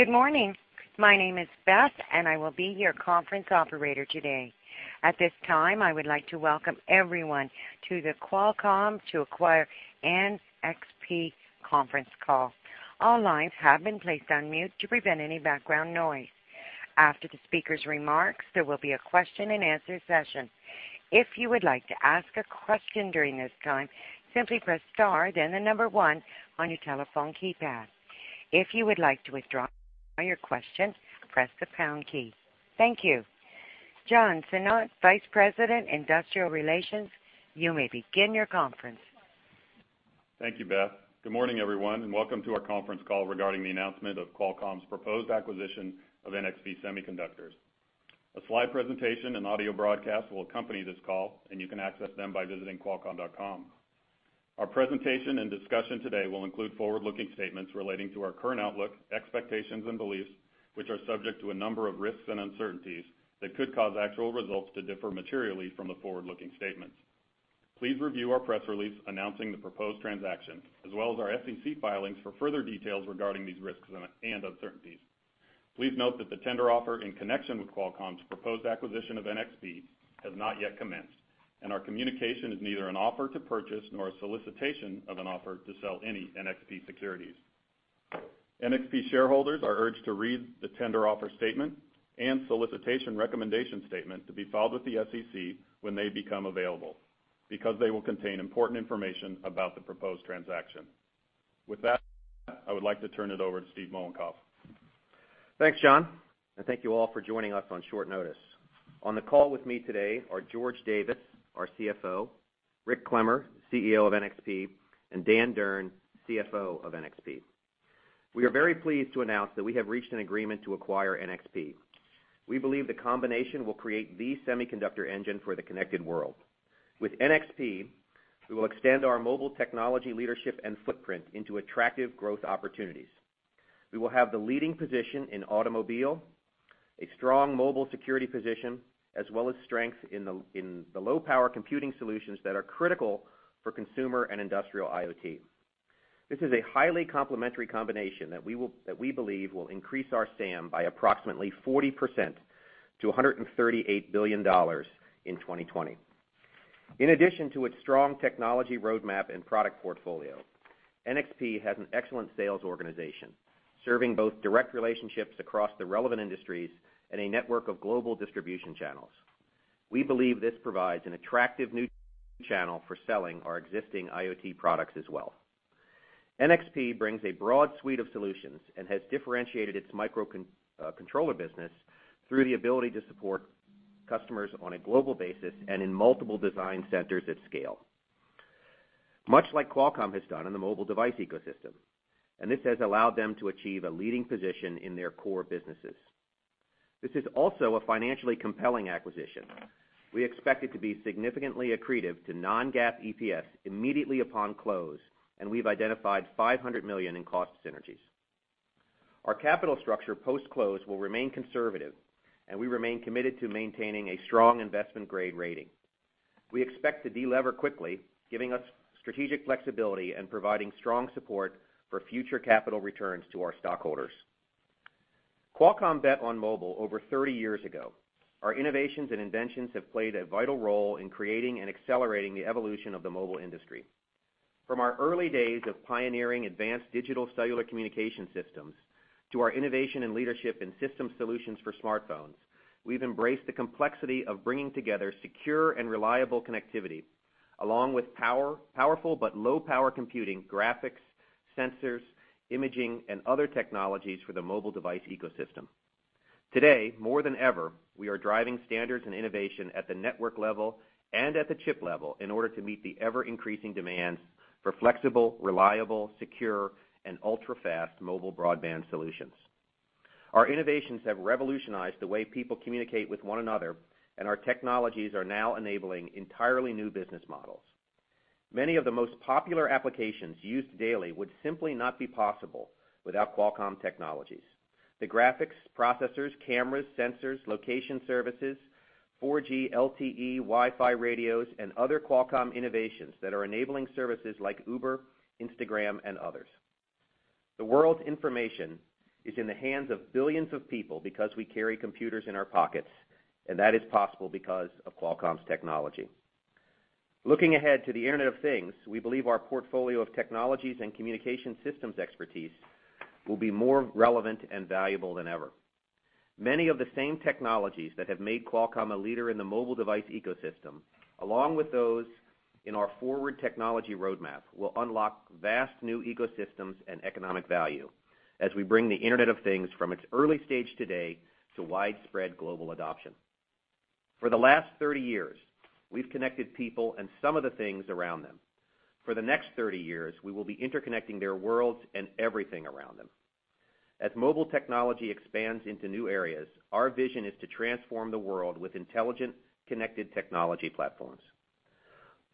Good morning. My name is Beth, and I will be your conference operator today. At this time, I would like to welcome everyone to the Qualcomm to acquire NXP conference call. All lines have been placed on mute to prevent any background noise. After the speaker's remarks, there will be a question and answer session. If you would like to ask a question during this time, simply press star, then the number one on your telephone keypad. If you would like to withdraw your question, press the pound key. Thank you. John Sinnott, Vice President, Investor Relations, you may begin your conference. Thank you, Beth. Good morning, everyone, and welcome to our conference call regarding the announcement of Qualcomm's proposed acquisition of NXP Semiconductors. A slide presentation and audio broadcast will accompany this call, and you can access them by visiting qualcomm.com. Our presentation and discussion today will include forward-looking statements relating to our current outlook, expectations, and beliefs, which are subject to a number of risks and uncertainties that could cause actual results to differ materially from the forward-looking statements. Please review our press release announcing the proposed transaction, as well as our SEC filings for further details regarding these risks and uncertainties. Please note that the tender offer in connection with Qualcomm's proposed acquisition of NXP has not yet commenced, and our communication is neither an offer to purchase nor a solicitation of an offer to sell any NXP securities. NXP shareholders are urged to read the tender offer statement and solicitation recommendation statement to be filed with the SEC when they become available, because they will contain important information about the proposed transaction. With that, I would like to turn it over to Steve Mollenkopf. Thanks, John, and thank you all for joining us on short notice. On the call with me today are George Davis, our CFO, Rick Clemmer, CEO of NXP, and Dan Durn, CFO of NXP. We are very pleased to announce that we have reached an agreement to acquire NXP. We believe the combination will create the semiconductor engine for the connected world. With NXP, we will extend our mobile technology leadership and footprint into attractive growth opportunities. We will have the leading position in automobile, a strong mobile security position, as well as strength in the low-power computing solutions that are critical for consumer and industrial IoT. This is a highly complementary combination that we believe will increase our SAM by approximately 40% to $138 billion in 2020. In addition to its strong technology roadmap and product portfolio, NXP has an excellent sales organization, serving both direct relationships across the relevant industries and a network of global distribution channels. We believe this provides an attractive new channel for selling our existing IoT products as well. NXP brings a broad suite of solutions and has differentiated its microcontroller business through the ability to support customers on a global basis and in multiple design centers at scale, much like Qualcomm has done in the mobile device ecosystem, and this has allowed them to achieve a leading position in their core businesses. This is also a financially compelling acquisition. We expect it to be significantly accretive to non-GAAP EPS immediately upon close, and we've identified $500 million in cost synergies. Our capital structure post-close will remain conservative, and we remain committed to maintaining a strong investment-grade rating. We expect to de-lever quickly, giving us strategic flexibility and providing strong support for future capital returns to our stockholders. Qualcomm bet on mobile over 30 years ago. Our innovations and inventions have played a vital role in creating and accelerating the evolution of the mobile industry. From our early days of pioneering advanced digital cellular communication systems, to our innovation and leadership in system solutions for smartphones, we've embraced the complexity of bringing together secure and reliable connectivity, along with powerful but low-power computing graphics, sensors, imaging, and other technologies for the mobile device ecosystem. Today, more than ever, we are driving standards and innovation at the network level and at the chip level in order to meet the ever-increasing demands for flexible, reliable, secure, and ultra-fast mobile broadband solutions. Our innovations have revolutionized the way people communicate with one another, and our technologies are now enabling entirely new business models. Many of the most popular applications used daily would simply not be possible without Qualcomm technologies. The graphics, processors, cameras, sensors, location services, 4G LTE, Wi-Fi radios, and other Qualcomm innovations that are enabling services like Uber, Instagram, and others. The world's information is in the hands of billions of people because we carry computers in our pockets, and that is possible because of Qualcomm's technology. Looking ahead to the Internet of Things, we believe our portfolio of technologies and communication systems expertise will be more relevant and valuable than ever. Many of the same technologies that have made Qualcomm a leader in the mobile device ecosystem, along with those in our forward technology roadmap, will unlock vast new ecosystems and economic value as we bring the Internet of Things from its early stage today to widespread global adoption. For the last 30 years, we've connected people and some of the things around them. For the next 30 years, we will be interconnecting their worlds and everything around them. As mobile technology expands into new areas, our vision is to transform the world with intelligent, connected technology platforms.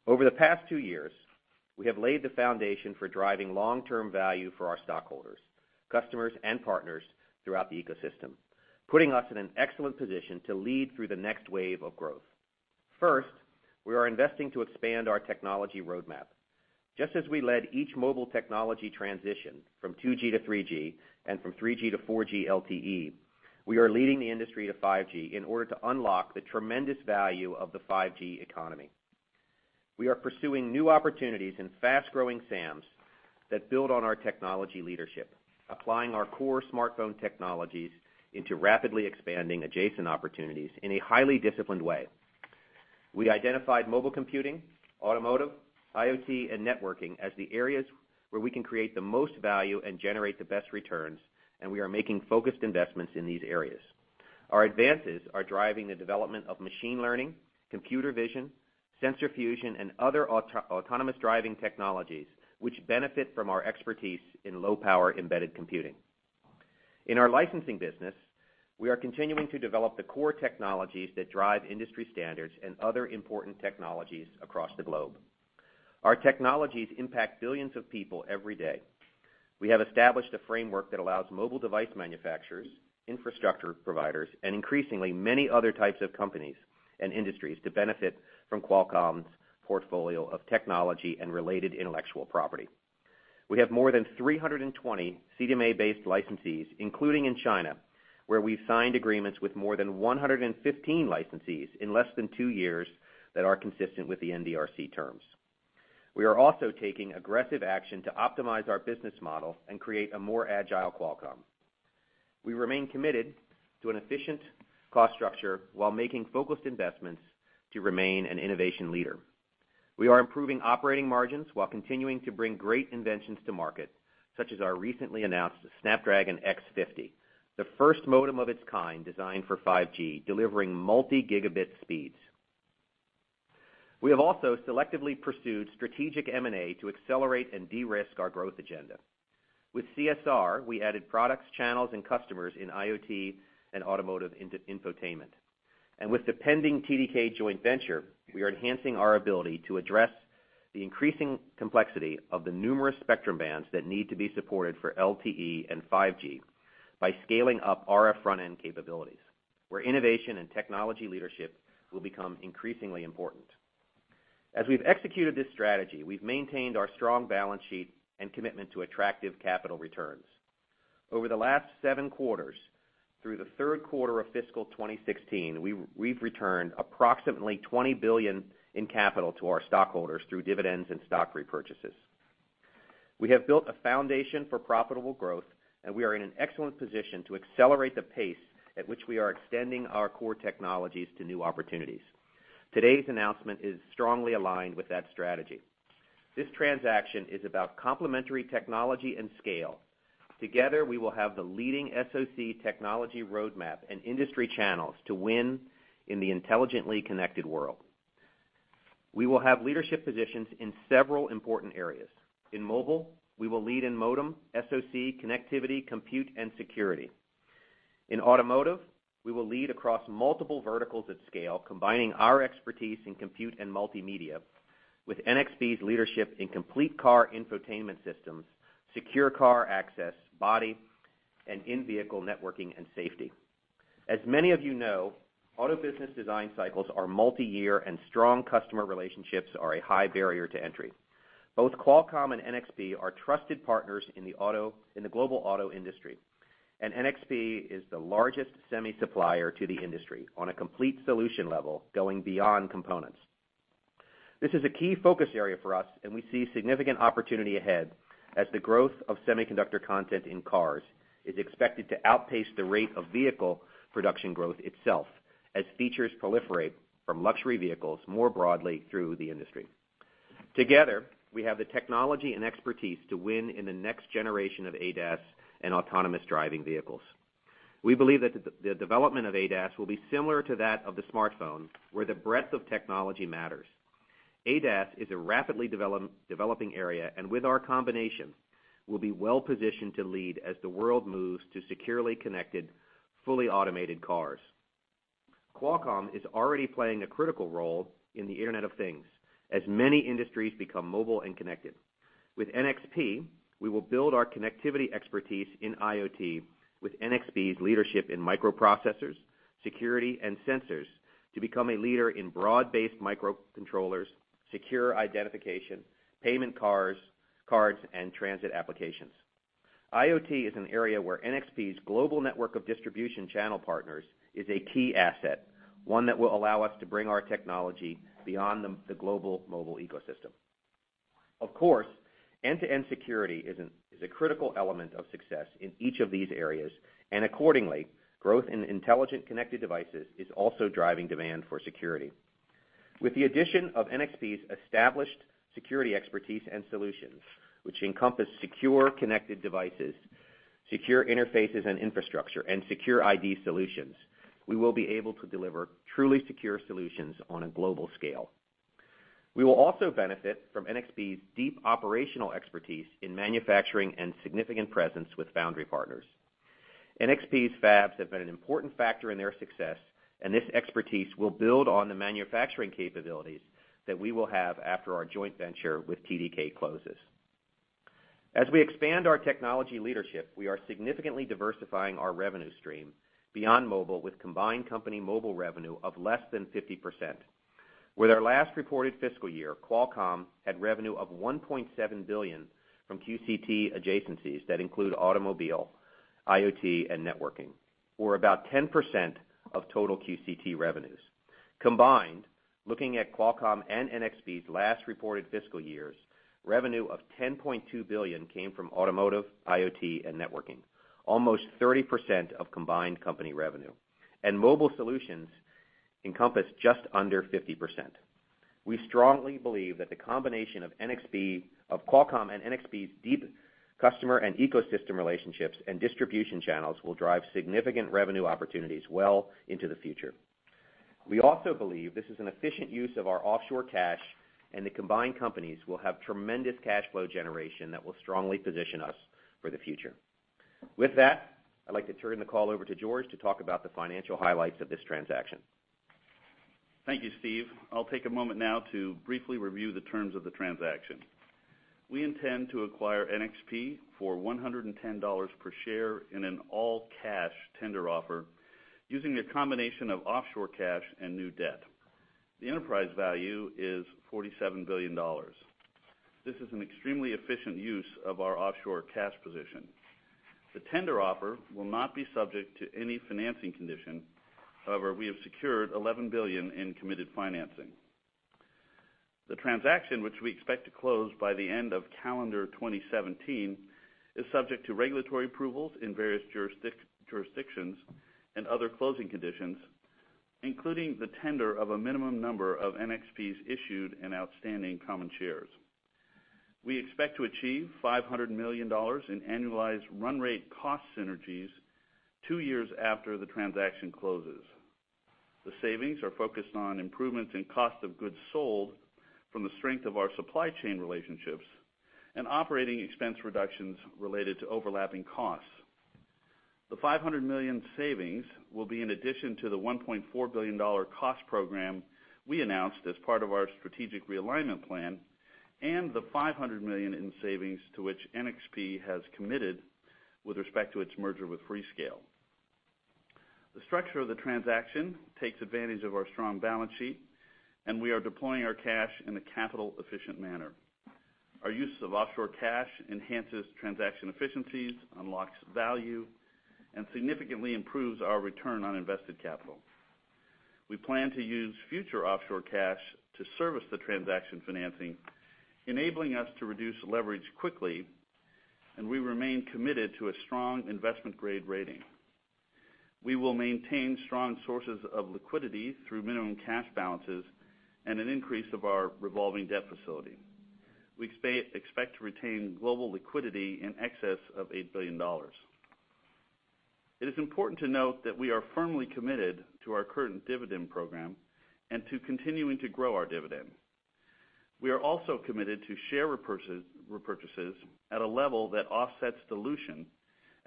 Over the past two years, we have laid the foundation for driving long-term value for our stockholders, customers, and partners throughout the ecosystem, putting us in an excellent position to lead through the next wave of growth. First, we are investing to expand our technology roadmap. Just as we led each mobile technology transition from 2G to 3G and from 3G to 4G LTE, we are leading the industry to 5G in order to unlock the tremendous value of the 5G economy. We are pursuing new opportunities in fast-growing SAMs that build on our technology leadership, applying our core smartphone technologies into rapidly expanding adjacent opportunities in a highly disciplined way. We identified mobile computing, automotive, IoT, and networking as the areas where we can create the most value and generate the best returns, we are making focused investments in these areas. Our advances are driving the development of machine learning, computer vision, sensor fusion, and other autonomous driving technologies, which benefit from our expertise in low-power embedded computing. In our licensing business, we are continuing to develop the core technologies that drive industry standards and other important technologies across the globe. Our technologies impact billions of people every day. We have established a framework that allows mobile device manufacturers, infrastructure providers, increasingly many other types of companies and industries to benefit from Qualcomm's portfolio of technology and related intellectual property. We have more than 320 CDMA-based licensees, including in China, where we've signed agreements with more than 115 licensees in less than two years that are consistent with the NDRC terms. We are also taking aggressive action to optimize our business model and create a more agile Qualcomm. We remain committed to an efficient cost structure while making focused investments to remain an innovation leader. We are improving operating margins while continuing to bring great inventions to market, such as our recently announced Snapdragon X50, the first modem of its kind designed for 5G, delivering multi-gigabit speeds. We have also selectively pursued strategic M&A to accelerate and de-risk our growth agenda. With CSR, we added products, channels, and customers in IoT and automotive infotainment. With the pending TDK joint venture, we are enhancing our ability to address the increasing complexity of the numerous spectrum bands that need to be supported for LTE and 5G by scaling up RF front-end capabilities, where innovation and technology leadership will become increasingly important. As we've executed this strategy, we've maintained our strong balance sheet and commitment to attractive capital returns. Over the last seven quarters, through the third quarter of fiscal 2016, we've returned approximately $20 billion in capital to our stockholders through dividends and stock repurchases. We have built a foundation for profitable growth, we are in an excellent position to accelerate the pace at which we are extending our core technologies to new opportunities. Today's announcement is strongly aligned with that strategy. This transaction is about complementary technology and scale. Together, we will have the leading SoC technology roadmap industry channels to win in the intelligently connected world. We will have leadership positions in several important areas. In mobile, we will lead in modem, SoC, connectivity, compute, security. In automotive, we will lead across multiple verticals at scale, combining our expertise in compute and multimedia with NXP's leadership in complete car infotainment systems, secure car access, body, in-vehicle networking and safety. As many of you know, auto business design cycles are multi-year, strong customer relationships are a high barrier to entry. Both Qualcomm and NXP are trusted partners in the global auto industry, NXP is the largest semi supplier to the industry on a complete solution level, going beyond components. This is a key focus area for us. We see significant opportunity ahead as the growth of semiconductor content in cars is expected to outpace the rate of vehicle production growth itself as features proliferate from luxury vehicles more broadly through the industry. Together, we have the technology and expertise to win in the next generation of ADAS and autonomous driving vehicles. We believe that the development of ADAS will be similar to that of the smartphone, where the breadth of technology matters. ADAS is a rapidly developing area. With our combination, we'll be well-positioned to lead as the world moves to securely connected, fully automated cars. Qualcomm is already playing a critical role in the Internet of Things as many industries become mobile and connected. With NXP, we will build our connectivity expertise in IoT with NXP's leadership in microprocessors, security, and sensors to become a leader in broad-based microcontrollers, secure identification, payment cards, and transit applications. IoT is an area where NXP's global network of distribution channel partners is a key asset, one that will allow us to bring our technology beyond the global mobile ecosystem. Of course, end-to-end security is a critical element of success in each of these areas. Accordingly, growth in intelligent connected devices is also driving demand for security. With the addition of NXP's established security expertise and solutions, which encompass secure connected devices, secure interfaces and infrastructure, and secure ID solutions, we will be able to deliver truly secure solutions on a global scale. We will also benefit from NXP's deep operational expertise in manufacturing and significant presence with foundry partners. NXP's fabs have been an important factor in their success. This expertise will build on the manufacturing capabilities that we will have after our joint venture with TDK closes. As we expand our technology leadership, we are significantly diversifying our revenue stream beyond mobile with combined company mobile revenue of less than 50%. With our last reported fiscal year, Qualcomm had revenue of $1.7 billion from QCT adjacencies that include automobile, IoT, and networking, or about 10% of total QCT revenues. Combined, looking at Qualcomm and NXP's last reported fiscal years, revenue of $10.2 billion came from automotive, IoT, and networking, almost 30% of combined company revenue. Mobile solutions encompass just under 50%. We strongly believe that the combination of Qualcomm and NXP's deep customer and ecosystem relationships and distribution channels will drive significant revenue opportunities well into the future. We also believe this is an efficient use of our offshore cash. The combined companies will have tremendous cash flow generation that will strongly position us for the future. With that, I'd like to turn the call over to George to talk about the financial highlights of this transaction. Thank you, Steve. I'll take a moment now to briefly review the terms of the transaction. We intend to acquire NXP for $110 per share in an all-cash tender offer using a combination of offshore cash and new debt. The enterprise value is $47 billion. This is an extremely efficient use of our offshore cash position. The tender offer will not be subject to any financing condition. However, we have secured $11 billion in committed financing. The transaction, which we expect to close by the end of calendar 2017, is subject to regulatory approvals in various jurisdictions and other closing conditions, including the tender of a minimum number of NXP's issued and outstanding common shares. We expect to achieve $500 million in annualized run rate cost synergies two years after the transaction closes. The savings are focused on improvements in cost of goods sold from the strength of our supply chain relationships and operating expense reductions related to overlapping costs. The $500 million savings will be in addition to the $1.4 billion cost program we announced as part of our strategic realignment plan and the $500 million in savings to which NXP has committed with respect to its merger with Freescale. The structure of the transaction takes advantage of our strong balance sheet, and we are deploying our cash in a capital-efficient manner. Our use of offshore cash enhances transaction efficiencies, unlocks value, and significantly improves our return on invested capital. We plan to use future offshore cash to service the transaction financing, enabling us to reduce leverage quickly, and we remain committed to a strong investment-grade rating. We will maintain strong sources of liquidity through minimum cash balances and an increase of our revolving debt facility. We expect to retain global liquidity in excess of $8 billion. It is important to note that we are firmly committed to our current dividend program and to continuing to grow our dividend. We are also committed to share repurchases at a level that offsets dilution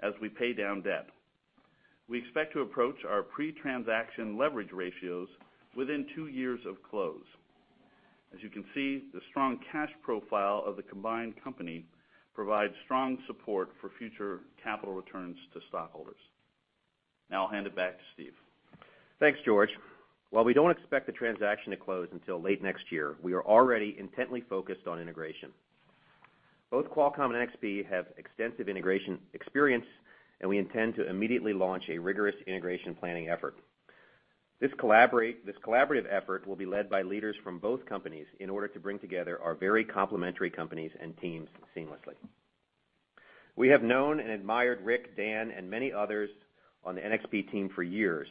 as we pay down debt. We expect to approach our pre-transaction leverage ratios within two years of close. As you can see, the strong cash profile of the combined company provides strong support for future capital returns to stockholders. Now I'll hand it back to Steve. Thanks, George. While we don't expect the transaction to close until late next year, we are already intently focused on integration. Both Qualcomm and NXP have extensive integration experience, and we intend to immediately launch a rigorous integration planning effort. This collaborative effort will be led by leaders from both companies in order to bring together our very complementary companies and teams seamlessly. We have known and admired Rick, Dan, and many others on the NXP team for years,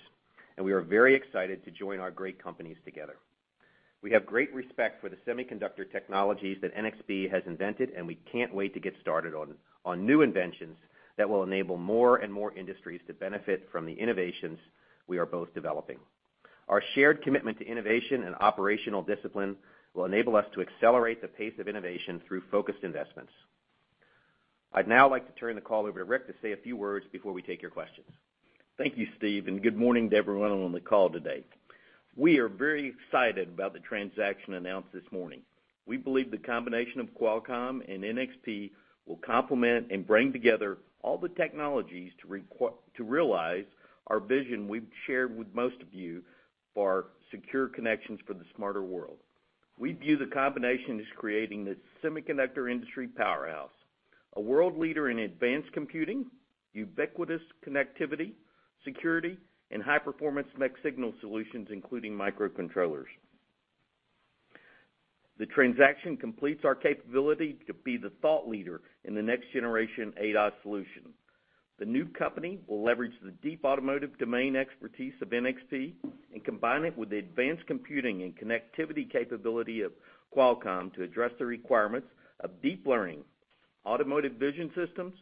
and we are very excited to join our great companies together. We have great respect for the semiconductor technologies that NXP has invented, and we can't wait to get started on new inventions that will enable more and more industries to benefit from the innovations we are both developing. Our shared commitment to innovation and operational discipline will enable us to accelerate the pace of innovation through focused investments. I'd now like to turn the call over to Rick to say a few words before we take your questions. Thank you, Steve. Good morning to everyone on the call today. We are very excited about the transaction announced this morning. We believe the combination of Qualcomm and NXP will complement and bring together all the technologies to realize our vision we've shared with most of you for secure connections for the smarter world. We view the combination as creating the semiconductor industry powerhouse, a world leader in advanced computing, ubiquitous connectivity, security, and high-performance mixed signal solutions, including microcontrollers. The transaction completes our capability to be the thought leader in the next generation ADAS solution. The new company will leverage the deep automotive domain expertise of NXP and combine it with the advanced computing and connectivity capability of Qualcomm to address the requirements of deep learning, automotive vision systems,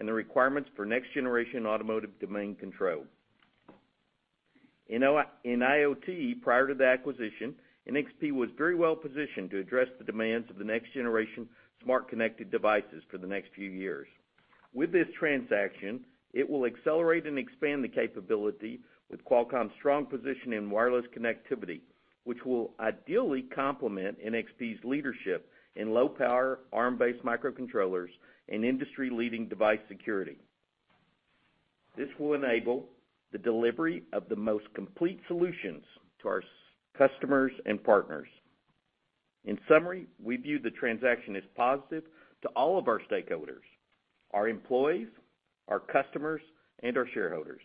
and the requirements for next-generation automotive domain control. In IoT, prior to the acquisition, NXP was very well positioned to address the demands of the next-generation smart connected devices for the next few years. With this transaction, it will accelerate and expand the capability with Qualcomm's strong position in wireless connectivity, which will ideally complement NXP's leadership in low-power, Arm-based microcontrollers and industry-leading device security. This will enable the delivery of the most complete solutions to our customers and partners. In summary, we view the transaction as positive to all of our stakeholders, our employees, our customers, and our shareholders.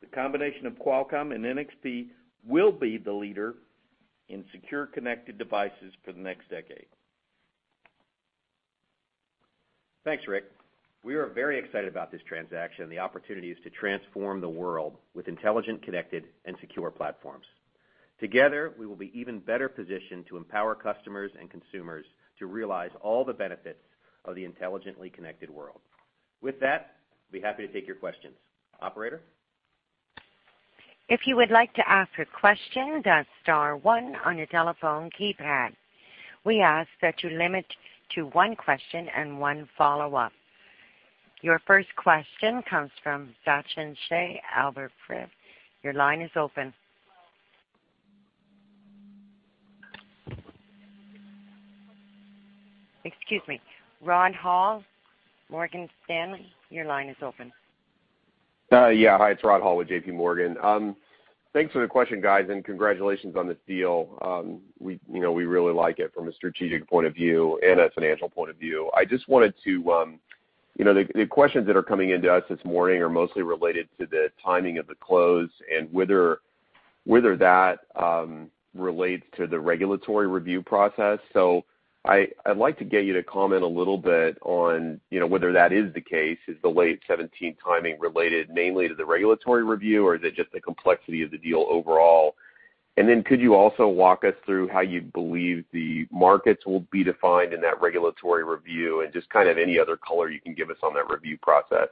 The combination of Qualcomm and NXP will be the leader in secure connected devices for the next decade. Thanks, Rick. We are very excited about this transaction and the opportunities to transform the world with intelligent, connected, and secure platforms. Together, we will be even better positioned to empower customers and consumers to realize all the benefits of the intelligently connected world. With that, I'd be happy to take your questions. Operator? If you would like to ask a question, dial star one on your telephone keypad. We ask that you limit to one question and one follow-up. Your first question comes from Sachin Shah, Albert Prieb. Your line is open. Excuse me, Rod Hall, JP Morgan. Your line is open. Yeah. Hi, it's Rod Hall with JP Morgan. Thanks for the question, guys, and congratulations on this deal. We really like it from a strategic point of view and a financial point of view. The questions that are coming into us this morning are mostly related to the timing of the close and whether that relates to the regulatory review process. I'd like to get you to comment a little bit on whether that is the case. Is the late 2017 timing related mainly to the regulatory review, or is it just the complexity of the deal overall? Could you also walk us through how you believe the markets will be defined in that regulatory review and just kind of any other color you can give us on that review process?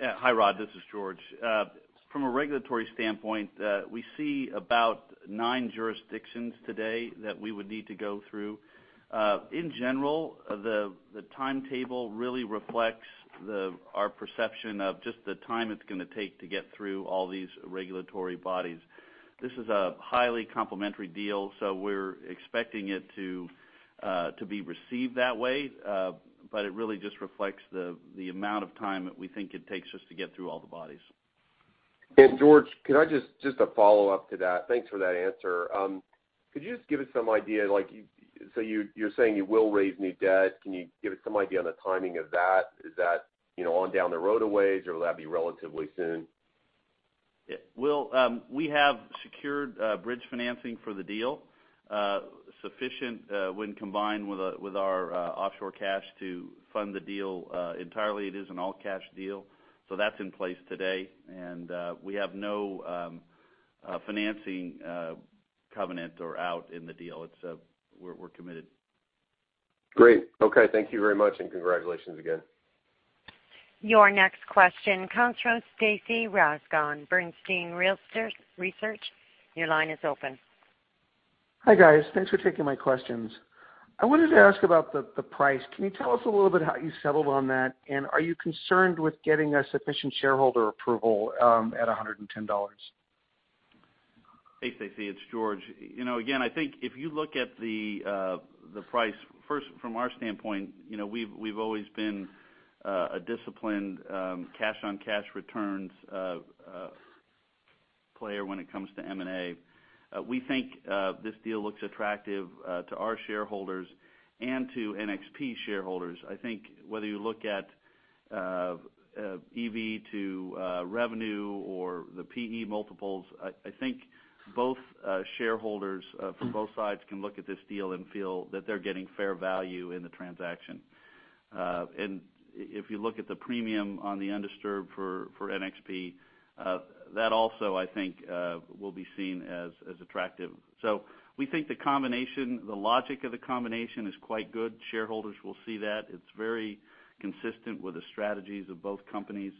Yeah. Hi, Rod. This is George. From a regulatory standpoint, we see about nine jurisdictions today that we would need to go through. In general, the timetable really reflects our perception of just the time it's going to take to get through all these regulatory bodies. This is a highly complementary deal, so we're expecting it to be received that way. It really just reflects the amount of time that we think it takes us to get through all the bodies. George, just a follow-up to that. Thanks for that answer. Could you just give us some idea, so you're saying you will raise new debt. Can you give us some idea on the timing of that? Is that on down the road a ways, or will that be relatively soon? We have secured bridge financing for the deal, sufficient when combined with our offshore cash to fund the deal entirely. It is an all-cash deal, so that's in place today. We have no financing covenant or out in the deal. We're committed. Great. Okay. Thank you very much, and congratulations again. Your next question comes from Stacy Rasgon, Bernstein Research. Your line is open. Hi, guys. Thanks for taking my questions. I wanted to ask about the price. Can you tell us a little bit how you settled on that, and are you concerned with getting a sufficient shareholder approval at $110? Hey, Stacy, it's George. I think if you look at the price, first, from our standpoint, we've always been a disciplined cash-on-cash returns player when it comes to M&A. We think this deal looks attractive to our shareholders and to NXP shareholders. I think whether you look at EV to revenue or the PE multiples, I think both shareholders from both sides can look at this deal and feel that they're getting fair value in the transaction. If you look at the premium on the undisturbed for NXP, that also, I think, will be seen as attractive. We think the logic of the combination is quite good. Shareholders will see that. It's very consistent with the strategies of both companies,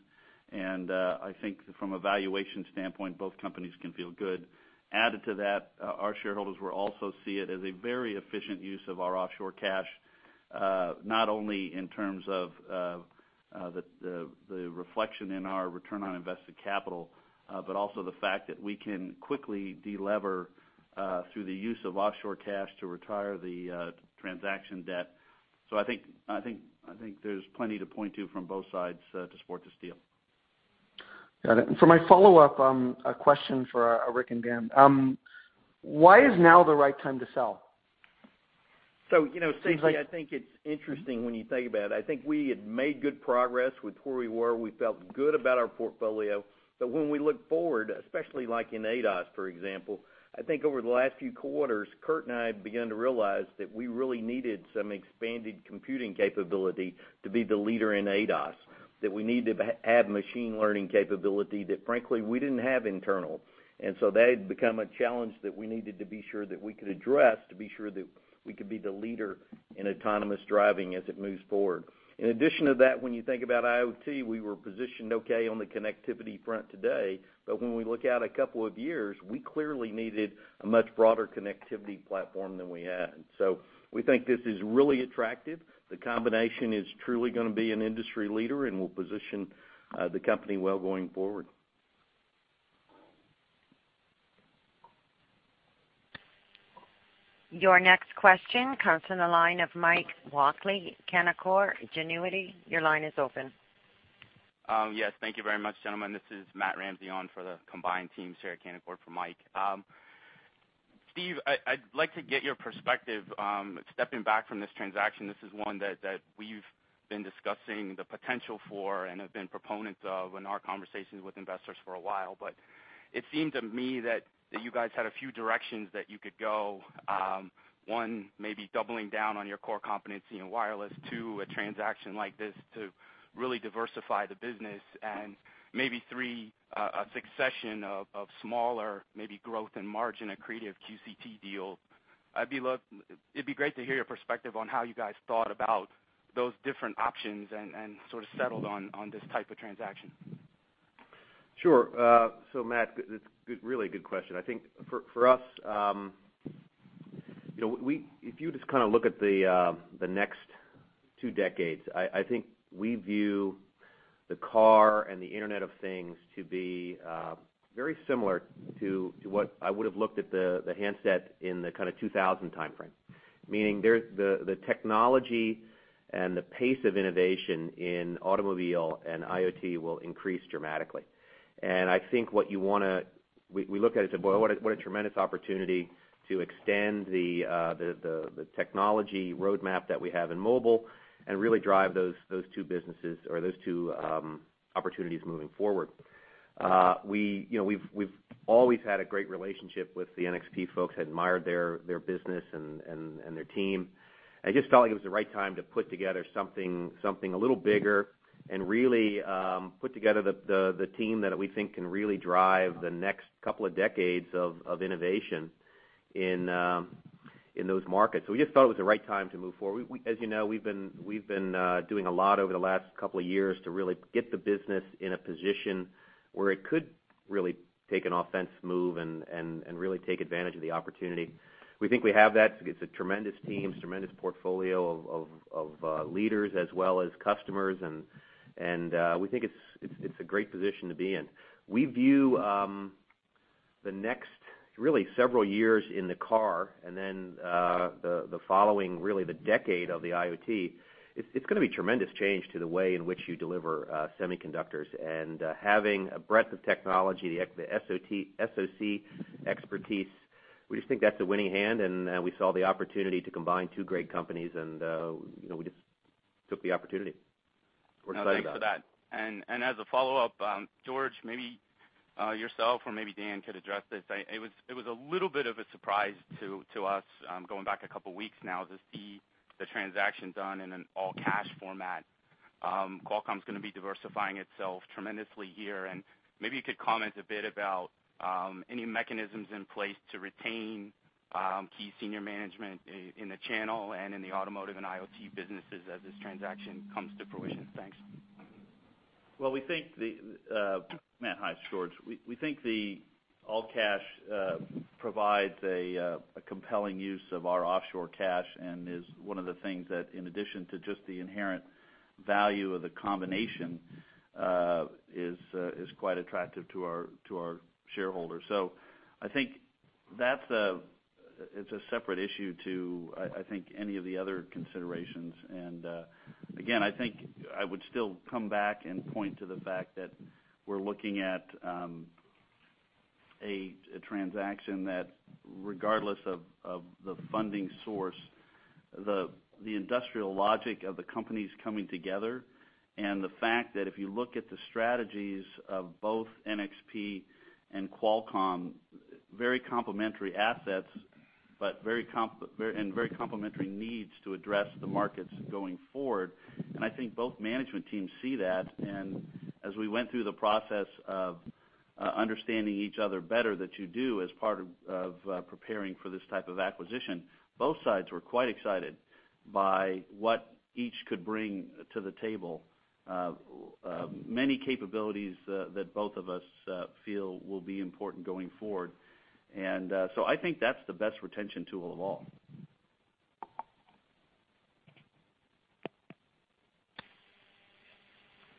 and I think from a valuation standpoint, both companies can feel good. Added to that, our shareholders will also see it as a very efficient use of our offshore cash, not only in terms of the reflection in our return on invested capital but also the fact that we can quickly delever through the use of offshore cash to retire the transaction debt. I think there's plenty to point to from both sides to support this deal. Got it. For my follow-up, a question for Rick and Dan. Why is now the right time to sell? Stacy, I think it's interesting when you think about it. I think we had made good progress with where we were. We felt good about our portfolio. When we look forward, especially like in ADAS, for example, I think over the last few quarters, Kurt and I have begun to realize that we really needed some expanded computing capability to be the leader in ADAS, that we need to have machine learning capability that frankly, we didn't have internal. That had become a challenge that we needed to be sure that we could address to be sure that we could be the leader in autonomous driving as it moves forward. In addition to that, when you think about IoT, we were positioned okay on the connectivity front today, but when we look out a couple of years, we clearly needed a much broader connectivity platform than we had. We think this is really attractive. The combination is truly going to be an industry leader and will position the company well going forward. Yes. Your next question comes from the line of Mike Walkley, Canaccord Genuity. Your line is open. Yes. Thank you very much, gentlemen. This is Matt Ramsay on for the combined team here at Canaccord for Mike. Steve, I'd like to get your perspective, stepping back from this transaction, this is one that we've been discussing the potential for and have been proponents of in our conversations with investors for a while. It seemed to me that you guys had a few directions that you could go. One, maybe doubling down on your core competency in wireless. Two, a transaction like this to really diversify the business and maybe three, a succession of smaller, maybe growth and margin accretive QCT deal. It'd be great to hear your perspective on how you guys thought about those different options and settled on this type of transaction. Sure. Matt, it's a really good question. I think for us, if you just look at the next two decades, I think we view the car and the Internet of Things to be very similar to what I would've looked at the handset in the 2000 timeframe. Meaning, the technology and the pace of innovation in automobile and IoT will increase dramatically. I think we look at it and say, boy, what a tremendous opportunity to extend the technology roadmap that we have in mobile and really drive those two businesses or those two opportunities moving forward. We've always had a great relationship with the NXP folks, admired their business and their team. I just felt like it was the right time to put together something a little bigger and really put together the team that we think can really drive the next couple of decades of innovation in those markets. We just thought it was the right time to move forward. As you know, we've been doing a lot over the last couple of years to really get the business in a position where it could really take an offense move and really take advantage of the opportunity. We think we have that. It's a tremendous team, tremendous portfolio of leaders as well as customers, and we think it's a great position to be in. We view the next really several years in the car, and then, the following decade of the IoT, it's going to be tremendous change to the way in which you deliver semiconductors and having a breadth of technology, the SoC expertise, we just think that's a winning hand, and we saw the opportunity to combine two great companies, and we just took the opportunity. We're excited about it. Thanks for that. As a follow-up, George, maybe yourself or maybe Dan could address this. It was a little bit of a surprise to us, going back a couple of weeks now, to see the transaction done in an all-cash format. Qualcomm's going to be diversifying itself tremendously here, and maybe you could comment a bit about any mechanisms in place to retain key senior management in the channel and in the automotive and IoT businesses as this transaction comes to fruition. Thanks. Matt, hi, it's George. We think the all-cash provides a compelling use of our offshore cash and is one of the things that in addition to just the inherent value of the combination, is quite attractive to our shareholders. I think it's a separate issue to, I think, any of the other considerations, and again, I think I would still come back and point to the fact that we're looking at a transaction that regardless of the funding source, the industrial logic of the companies coming together and the fact that if you look at the strategies of both NXP and Qualcomm, very complementary assets, and very complementary needs to address the markets going forward. I think both management teams see that, and as we went through the process of understanding each other better that you do as part of preparing for this type of acquisition, both sides were quite excited by what each could bring to the table. Many capabilities that both of us feel will be important going forward. I think that's the best retention tool of all.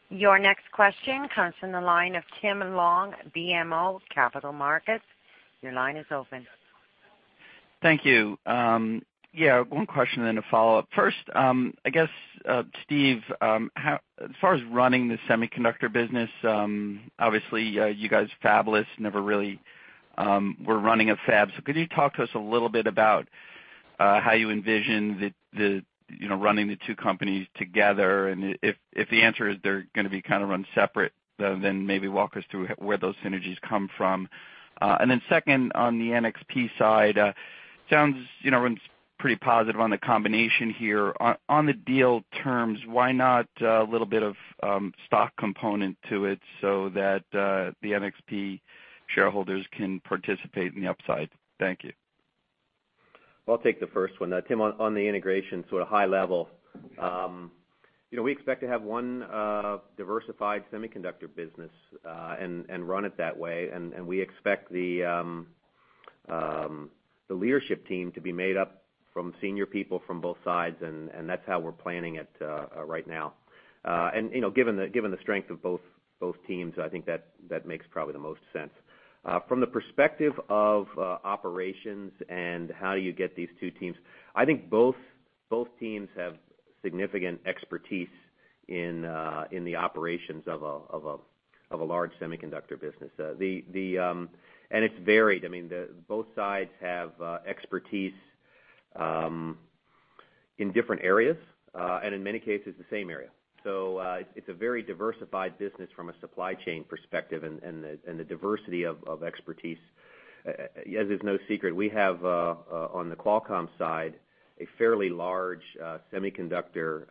Your next question comes from the line of Tim Long, BMO Capital Markets. Your line is open. Thank you. One question and a follow-up. First, I guess, Steve, as far as running the semiconductor business, obviously, you guys fabless never really were running a fab. Could you talk to us a little bit about how you envision running the two companies together? If the answer is they're going to be run separate, then maybe walk us through where those synergies come from. Then second, on the NXP side, sounds pretty positive on the combination here. On the deal terms, why not a little bit of stock component to it so that the NXP shareholders can participate in the upside? Thank you. I'll take the first one. Tim, on the integration, at a high level, we expect to have one diversified semiconductor business, run it that way, we expect the leadership team to be made up from senior people from both sides, and that's how we're planning it right now. Given the strength of both teams, I think that makes probably the most sense. From the perspective of operations and how you get these two teams, I think both teams have significant expertise in the operations of a large semiconductor business. It's varied. Both sides have expertise in different areas, and in many cases, the same area. It's a very diversified business from a supply chain perspective and the diversity of expertise. As is no secret, we have, on the Qualcomm side, a fairly large semiconductor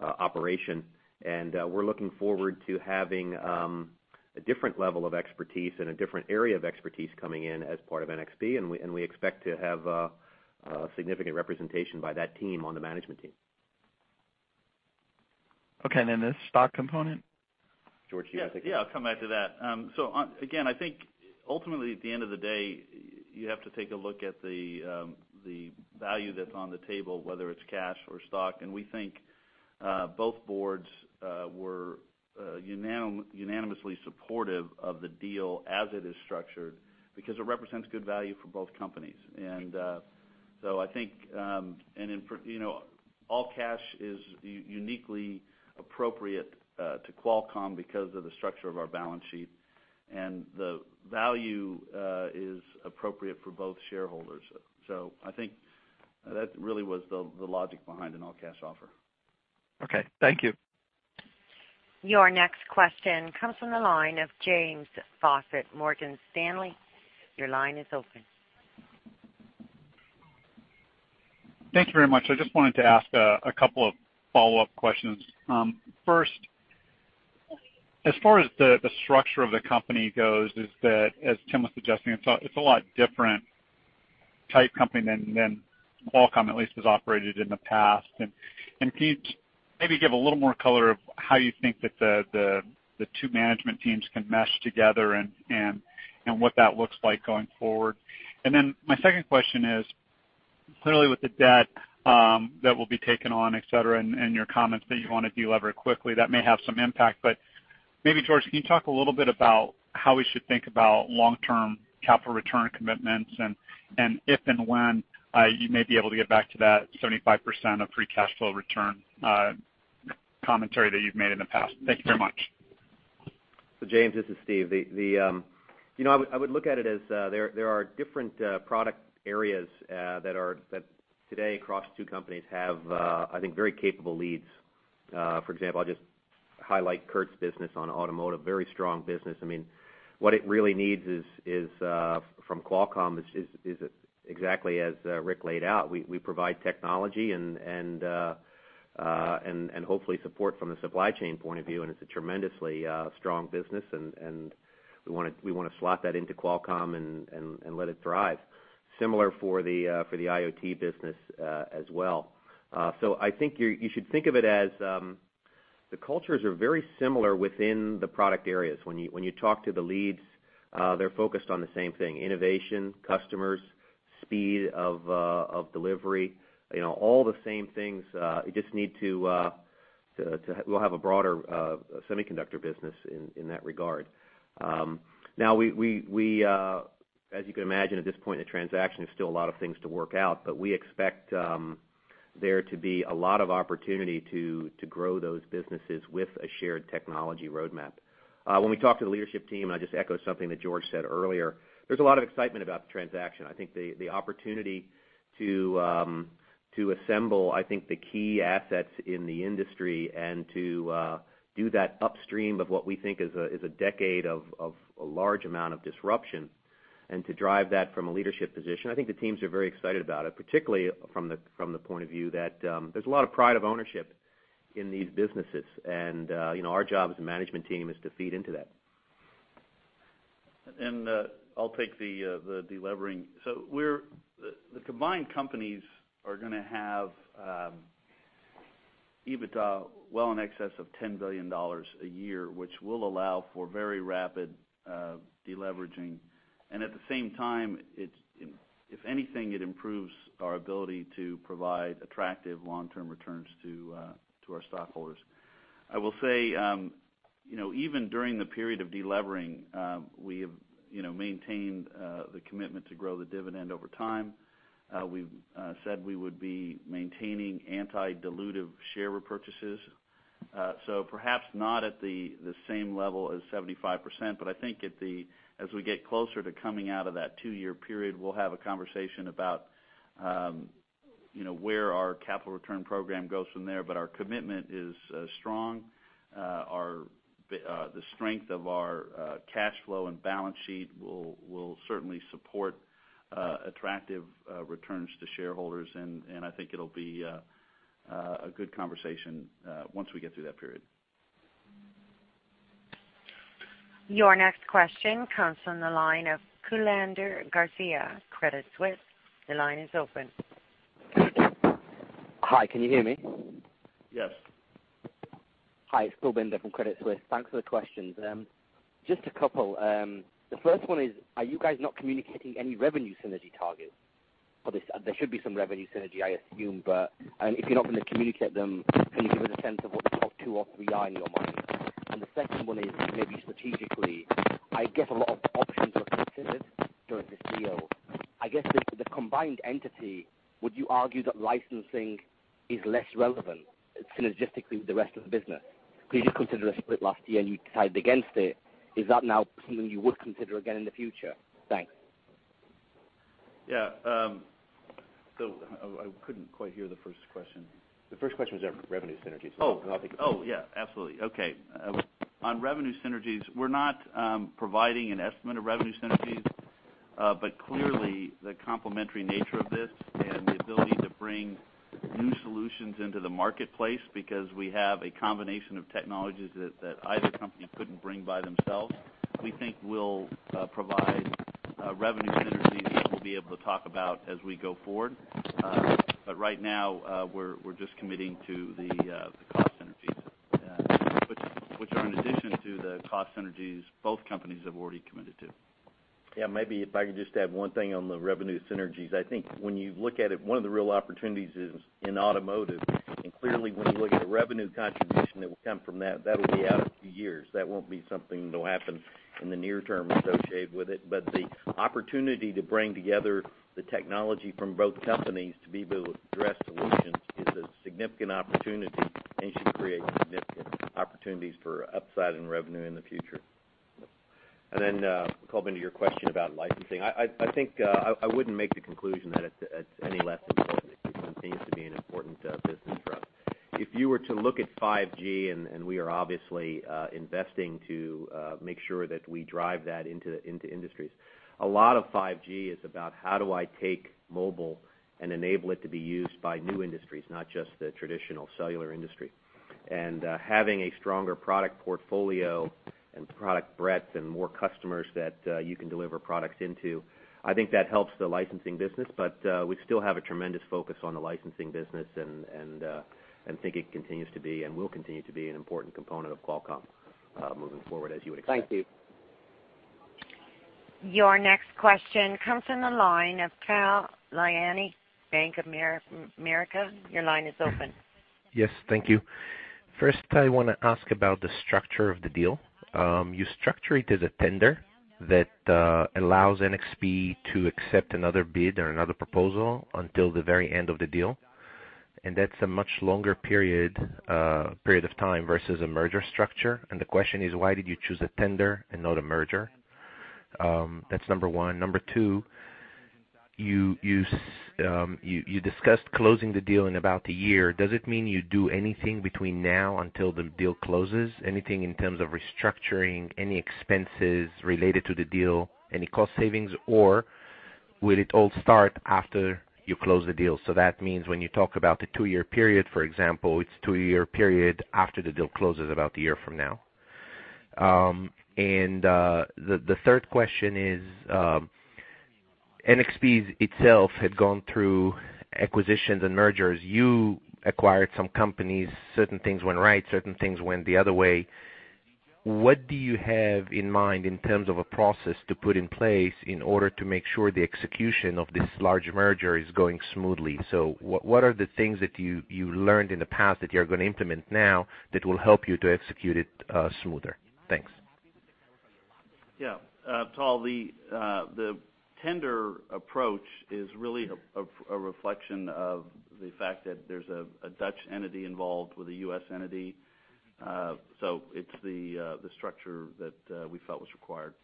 operation, and we're looking forward to having a different level of expertise and a different area of expertise coming in as part of NXP, and we expect to have a significant representation by that team on the management team. Okay. Then the stock component? George, do you want to take that? Yeah, I'll come back to that. Again, I think ultimately at the end of the day, you have to take a look at the value that's on the table, whether it's cash or stock. We think both boards were unanimously supportive of the deal as it is structured because it represents good value for both companies. All cash is uniquely appropriate to Qualcomm because of the structure of our balance sheet. The value is appropriate for both shareholders. I think that really was the logic behind an all-cash offer. Okay. Thank you. Your next question comes from the line of James Faucette, Morgan Stanley. Your line is open. Thank you very much. I just wanted to ask a couple of follow-up questions. First, as far as the structure of the company goes, as Tim was suggesting, it's a lot different type company than Qualcomm at least has operated in the past. Can you maybe give a little more color of how you think that the two management teams can mesh together and what that looks like going forward? My second question is, clearly with the debt that will be taken on, et cetera, and your comments that you want to de-lever quickly, that may have some impact, but maybe George, can you talk a little bit about how we should think about long-term capital return commitments and if and when you may be able to get back to that 75% of free cash flow return commentary that you've made in the past? Thank you very much. James, this is Steve. I would look at it as there are different product areas that today across two companies have, I think, very capable leads. For example, I'll just highlight Kurt's business on automotive, very strong business. What it really needs from Qualcomm is exactly as Rick laid out. We provide technology and hopefully support from the supply chain point of view, and it's a tremendously strong business, and we want to slot that into Qualcomm and let it thrive. Similar for the IoT business as well. I think you should think of it as the cultures are very similar within the product areas. When you talk to the leads, they're focused on the same thing, innovation, customers, speed of delivery, all the same things. We'll have a broader semiconductor business in that regard. As you can imagine, at this point in the transaction, there's still a lot of things to work out, we expect there to be a lot of opportunity to grow those businesses with a shared technology roadmap. When we talk to the leadership team, I just echo something that George said earlier, there's a lot of excitement about the transaction. I think the opportunity to assemble, I think the key assets in the industry and to do that upstream of what we think is a decade of a large amount of disruption and to drive that from a leadership position, I think the teams are very excited about it, particularly from the point of view that there's a lot of pride of ownership in these businesses, our job as a management team is to feed into that. I'll take the de-levering. The combined companies are going to have EBITDA well in excess of $10 billion a year, which will allow for very rapid de-leveraging. At the same time, if anything, it improves our ability to provide attractive long-term returns to our stockholders. I will say, even during the period of de-levering, we have maintained the commitment to grow the dividend over time. We've said we would be maintaining anti-dilutive share repurchases. Perhaps not at the same level as 75%, I think as we get closer to coming out of that two-year period, we'll have a conversation about where our capital return program goes from there. Our commitment is strong. The strength of our cash flow and balance sheet will certainly support attractive returns to shareholders, I think it'll be a good conversation once we get through that period. Your next question comes from the line of Kulbinder Garcha, Credit Suisse. Your line is open. Hi, can you hear me? Yes. Hi, it's Kulbinder from Credit Suisse. Thanks for the questions. Just a couple. The first one is, are you guys not communicating any revenue synergy targets for this? There should be some revenue synergy, I assume, but if you're not going to communicate them, can you give us a sense of what the top two or three are in your mind? The second one is maybe strategically, I guess a lot of options were considered during this deal. I guess with the combined entity, would you argue that licensing is less relevant synergistically with the rest of the business? Because you considered a split last year, and you decided against it. Is that now something you would consider again in the future? Thanks. Yeah. I couldn't quite hear the first question. The first question was revenue synergies. Oh. I'll take the second one. Oh, yeah. Absolutely. Okay. On revenue synergies, we're not providing an estimate of revenue synergies. Clearly the complementary nature of this and the ability to bring new solutions into the marketplace, because we have a combination of technologies that either company couldn't bring by themselves, we think will provide revenue synergies that we'll be able to talk about as we go forward. Right now, we're just committing to the cost synergies, which are in addition to the cost synergies both companies have already committed to. Yeah, maybe if I could just add one thing on the revenue synergies. I think when you look at it, one of the real opportunities is in automotive. Clearly, when you look at the revenue contribution that will come from that'll be out a few years. That won't be something that'll happen in the near term associated with it. The opportunity to bring together the technology from both companies to be able to address solutions is a significant opportunity and should create significant opportunities for upside in revenue in the future. Then, Kulbinder, to your question about licensing. I think I wouldn't make the conclusion that it's any less important. It continues to be an important business for us. If you were to look at 5G, we are obviously investing to make sure that we drive that into industries, a lot of 5G is about how do I take mobile and enable it to be used by new industries, not just the traditional cellular industry. Having a stronger product portfolio and product breadth and more customers that you can deliver products into, I think that helps the licensing business. We still have a tremendous focus on the licensing business and think it continues to be and will continue to be an important component of Qualcomm moving forward as you would expect. Thank you. Your next question comes from the line of Tal Liani, Bank of America. Your line is open. Yes. Thank you. First, I want to ask about the structure of the deal. You structure it as a tender that allows NXP to accept another bid or another proposal until the very end of the deal, that's a much longer period of time versus a merger structure. The question is, why did you choose a tender and not a merger? That's number one. Number two, you discussed closing the deal in about a year. Does it mean you do anything between now until the deal closes? Anything in terms of restructuring, any expenses related to the deal, any cost savings, or will it all start after you close the deal? So that means when you talk about the two-year period, for example, it's two-year period after the deal closes about a year from now. The third question is, NXP itself had gone through acquisitions and mergers. You acquired some companies, certain things went right, certain things went the other way. What do you have in mind in terms of a process to put in place in order to make sure the execution of this large merger is going smoothly? What are the things that you learned in the past that you're going to implement now that will help you to execute it smoother? Thanks. Yeah. Tal, the tender approach is really a reflection of the fact that there's a Dutch entity involved with a U.S. entity. It's the structure that we felt was required.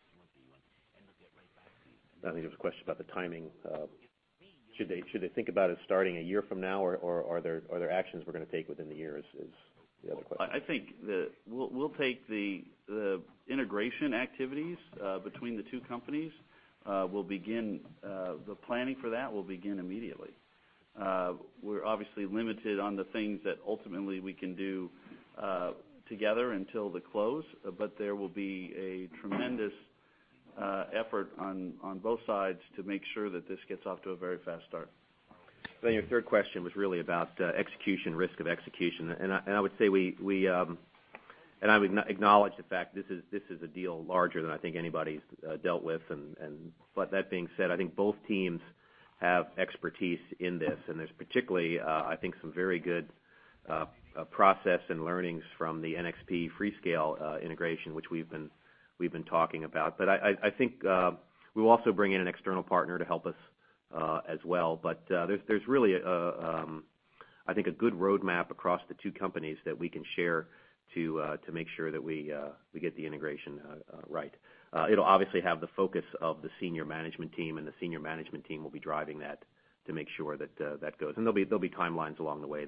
I think there was a question about the timing of should they think about it starting a year from now, or are there actions we're going to take within the year is the other question. I think that we'll take the integration activities between the two companies, the planning for that will begin immediately. We're obviously limited on the things that ultimately we can do together until the close, but there will be a tremendous effort on both sides to make sure that this gets off to a very fast start. Your third question was really about execution, risk of execution. I would say we, and I would acknowledge the fact this is a deal larger than I think anybody's dealt with. That being said, I think both teams have expertise in this, and there's particularly, I think, some very good process and learnings from the NXP Freescale integration, which we've been talking about. I think we'll also bring in an external partner to help us as well. There's really, I think, a good roadmap across the two companies that we can share to make sure that we get the integration right. It'll obviously have the focus of the senior management team, and the senior management team will be driving that to make sure that goes. There'll be timelines along the way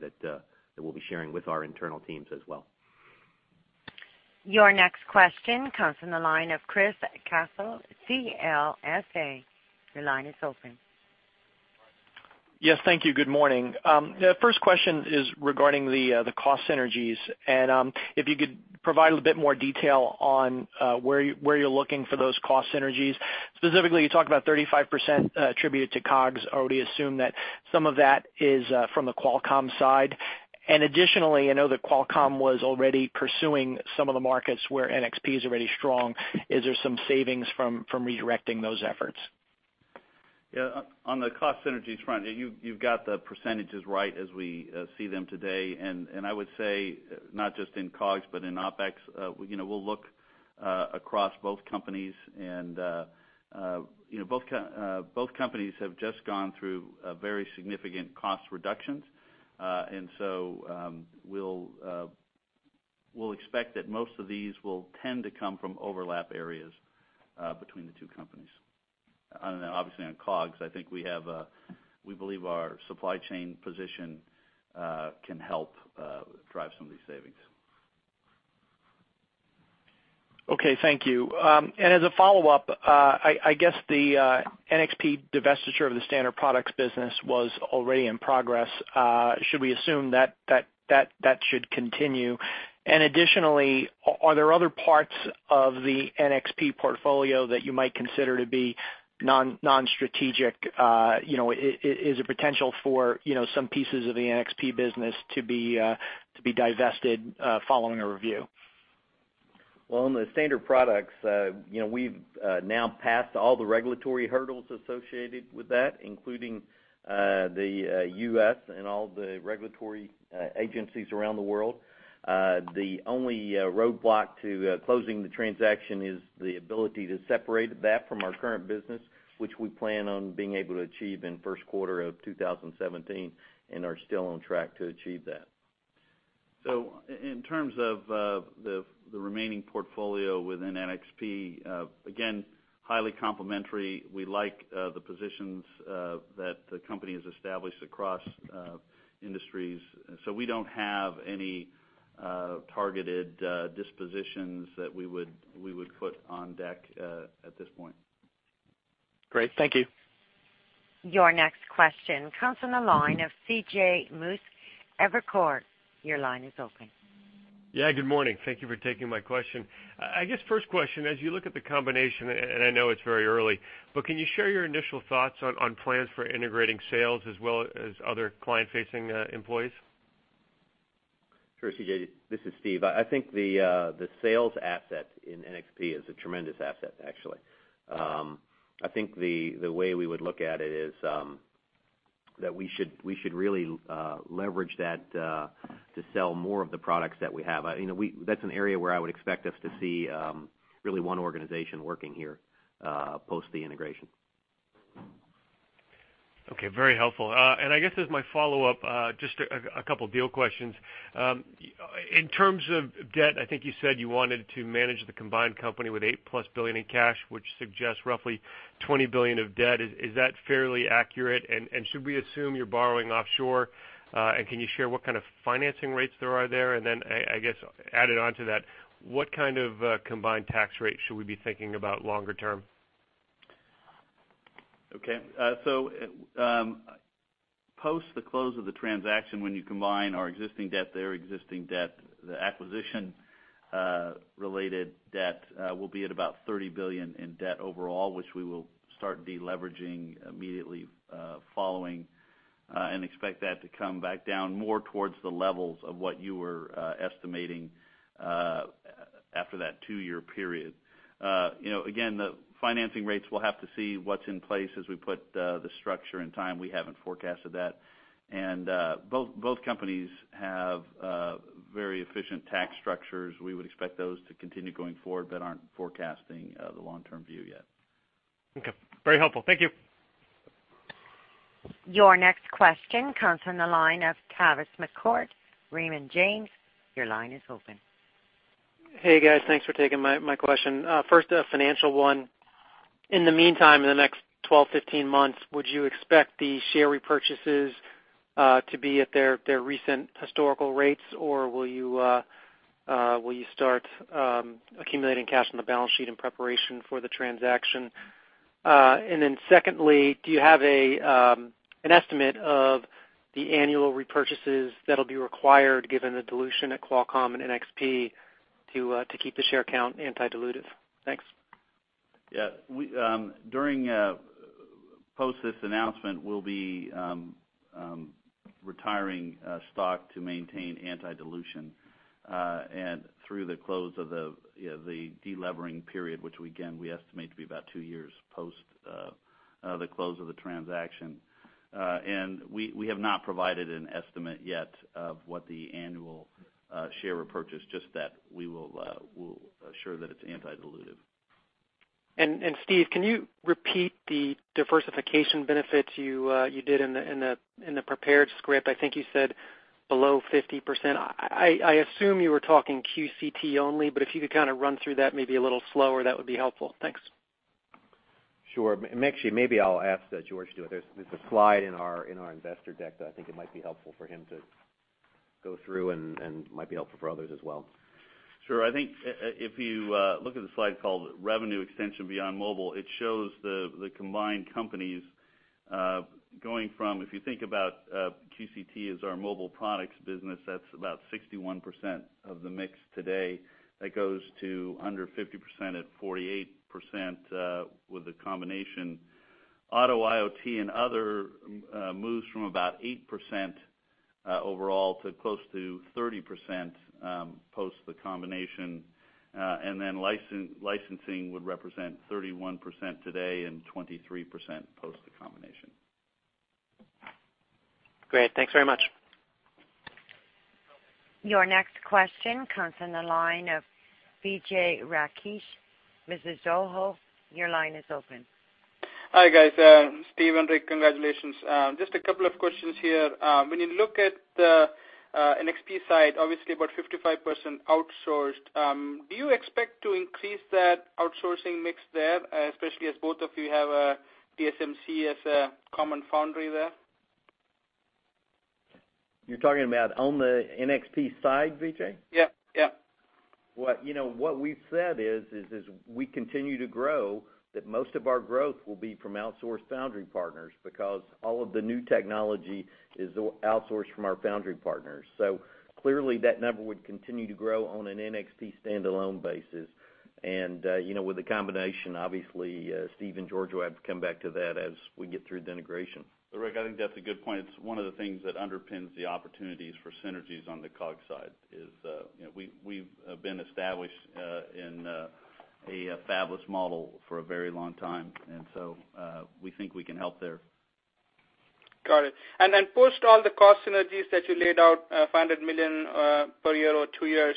that we'll be sharing with our internal teams as well. Your next question comes from the line of Chris Caso, CLSA. Your line is open. Yes. Thank you. Good morning. The first question is regarding the cost synergies, if you could provide a bit more detail on where you're looking for those cost synergies. Specifically, you talk about 35% attributed to COGS. I would assume that some of that is from the Qualcomm side. Additionally, I know that Qualcomm was already pursuing some of the markets where NXP is already strong. Is there some savings from redirecting those efforts? Yeah. On the cost synergies front, you've got the percentages right as we see them today. I would say, not just in COGS but in OpEx, we'll look across both companies. Both companies have just gone through very significant cost reductions. So we'll expect that most of these will tend to come from overlap areas between the two companies. Then obviously on COGS, I think we believe our supply chain position can help drive some of these savings. Okay. Thank you. As a follow-up, I guess the NXP divestiture of the standard products business was already in progress. Should we assume that should continue? Additionally, are there other parts of the NXP portfolio that you might consider to be non-strategic? Is there potential for some pieces of the NXP business to be divested following a review? Well, on the standard products, we've now passed all the regulatory hurdles associated with that, including the U.S. and all the regulatory agencies around the world. The only roadblock to closing the transaction is the ability to separate that from our current business, which we plan on being able to achieve in first quarter of 2017 and are still on track to achieve that. In terms of the remaining portfolio within NXP, again, highly complementary. We like the positions that the company has established across industries. We don't have any targeted dispositions that we would put on deck at this point. Great. Thank you. Your next question comes from the line of C.J. Muse, Evercore. Your line is open. Yeah. Good morning. Thank you for taking my question. I guess first question, as you look at the combination, and I know it's very early, but can you share your initial thoughts on plans for integrating sales as well as other client-facing employees? Sure, C.J. This is Steve. I think the sales asset in NXP is a tremendous asset, actually. I think the way we would look at it is that we should really leverage that to sell more of the products that we have. That's an area where I would expect us to see really one organization working here post the integration. Okay. Very helpful. I guess as my follow-up, just a couple deal questions. In terms of debt, I think you said you wanted to manage the combined company with $8+ billion in cash, which suggests roughly $20 billion of debt. Is that fairly accurate? Should we assume you're borrowing offshore? Can you share what kind of financing rates there are there? Then, I guess added on to that, what kind of combined tax rate should we be thinking about longer term? Okay. Post the close of the transaction, when you combine our existing debt, their existing debt, the acquisition-related debt will be at about $30 billion in debt overall, which we will start deleveraging immediately following and expect that to come back down more towards the levels of what you were estimating after that two-year period. Again, the financing rates, we'll have to see what's in place as we put the structure and time. We haven't forecasted that. Both companies have very efficient tax structures. We would expect those to continue going forward but aren't forecasting the long-term view yet. Okay. Very helpful. Thank you. Your next question comes from the line of Tavis McCourt, Raymond James. Your line is open. Hey, guys. Thanks for taking my question. First, a financial one. In the meantime, in the next 12, 15 months, would you expect the share repurchases to be at their recent historical rates, or will you start accumulating cash on the balance sheet in preparation for the transaction? Secondly, do you have an estimate of the annual repurchases that'll be required given the dilution at Qualcomm and NXP to keep the share count anti-dilutive? Thanks. Yeah. Post this announcement, we'll be retiring stock to maintain anti-dilution and through the close of the delevering period, which again, we estimate to be about two years post the close of the transaction. We have not provided an estimate yet of what the annual share repurchase, just that we will ensure that it's anti-dilutive. Steve, can you repeat the diversification benefits you did in the prepared script? I think you said below 50%. I assume you were talking QCT only, but if you could kind of run through that maybe a little slower, that would be helpful. Thanks. Sure. Actually, maybe I'll ask George to do it. There's a slide in our investor deck that I think it might be helpful for him to Go through and might be helpful for others as well. Sure. I think if you look at the slide called revenue extension beyond mobile, it shows the combined companies going from, if you think about QCT as our mobile products business, that's about 61% of the mix today. That goes to under 50% at 48% with the combination. Auto, IoT, and other moves from about 8% overall to close to 30% post the combination. Then licensing would represent 31% today and 23% post the combination. Great. Thanks very much. Your next question comes from the line of Vijay Rakesh, Mizuho, your line is open. Hi, guys. Steve and Rick, congratulations. Just a couple of questions here. When you look at the NXP side, obviously about 55% outsourced. Do you expect to increase that outsourcing mix there, especially as both of you have TSMC as a common foundry there? You're talking about on the NXP side, Vijay? Yeah. What we've said is, as we continue to grow, that most of our growth will be from outsourced foundry partners because all of the new technology is outsourced from our foundry partners. Clearly that number would continue to grow on an NXP standalone basis. With the combination, obviously, Steve and George will have to come back to that as we get through the integration. Rick, I think that's a good point. It's one of the things that underpins the opportunities for synergies on the COGS side is we've been established in a fabless model for a very long time, we think we can help there. Got it. Then post all the cost synergies that you laid out, $500 million per year or two years,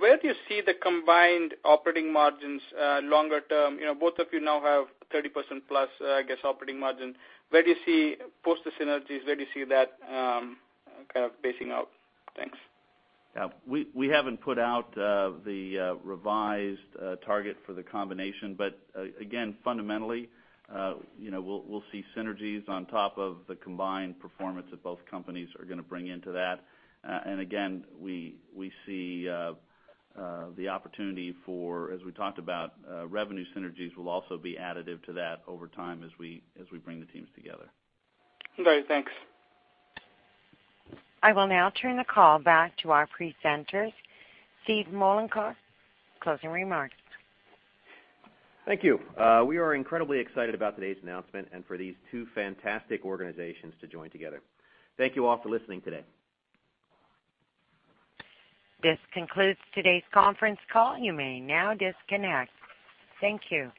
where do you see the combined operating margins longer term? Both of you now have 30% plus, I guess, operating margin. Post the synergies, where do you see that kind of pacing out? Thanks. Yeah. We haven't put out the revised target for the combination, again, fundamentally we'll see synergies on top of the combined performance that both companies are going to bring into that. Again, we see the opportunity for, as we talked about, revenue synergies will also be additive to that over time as we bring the teams together. Great, thanks. I will now turn the call back to our presenters. Steve Mollenkopf, closing remarks. Thank you. We are incredibly excited about today's announcement and for these two fantastic organizations to join together. Thank you all for listening today. This concludes today's conference call. You may now disconnect. Thank you.